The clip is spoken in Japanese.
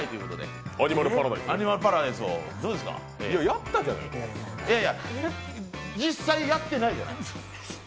いやいや、実際やってないじゃない。